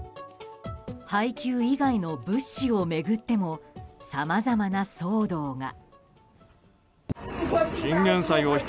配給以外の物資を巡ってもさまざまな騒動が。